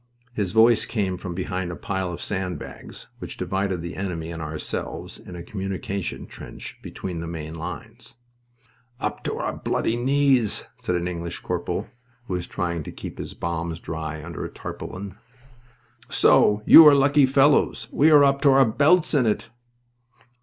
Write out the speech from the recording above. His voice came from behind a pile of sand bags which divided the enemy and ourselves in a communication trench between the main lines. "Up to our blooming knees," said an English corporal, who was trying to keep his bombs dry under a tarpaulin. "So?... You are lucky fellows. We are up to our belts in it."